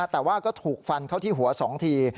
แต่ว่าก็ถูกฟันเข้าที่หัว๒ที